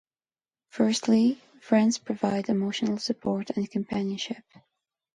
Firstly, friends provide emotional support and companionship.